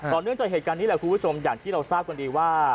เนื่องจากเหตุการณ์นี้แหละคุณผู้ชมอย่างที่เราทราบกันดีว่า